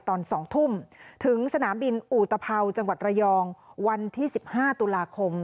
ตอน๒ทุ่มถึงสนามบินอุตภัวจังหวัดระยองวันที่๑๕ตุลาคม